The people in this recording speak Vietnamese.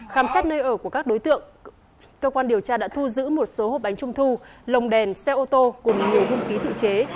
khám xét nơi ở của các đối tượng cơ quan điều tra đã thu giữ một số hộp bánh trung thu lồng đèn xe ô tô cùng nhiều hung khí tự chế